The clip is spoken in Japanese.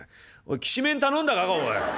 きしめん頼んだかおい！